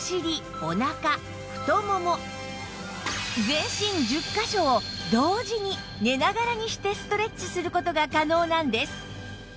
全身１０カ所を同時に寝ながらにしてストレッチする事が可能なんです